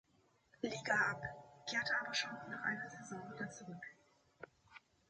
Liga ab, kehrte aber schon nach einer Saison wieder zurück.